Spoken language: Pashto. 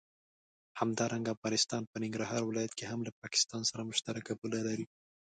همدارنګه افغانستان په ننګرهار ولايت کې هم له پاکستان سره مشترکه پوله لري.